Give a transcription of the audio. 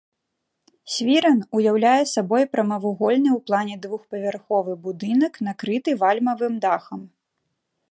Свіран уяўляе сабой прамавугольны ў плане двухпавярховы будынак накрыты вальмавым дахам.